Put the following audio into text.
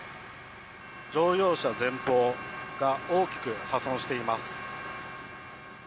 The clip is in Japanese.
乗用車、前方が大きく破損しています。